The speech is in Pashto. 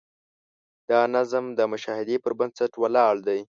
دا نظم د مشاهدې پر بنسټ ولاړ دی.